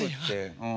うん。